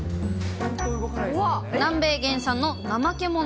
南米原産のナマケモノ。